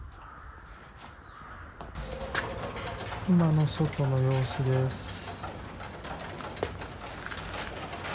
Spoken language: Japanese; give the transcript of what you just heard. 今の外の様子です。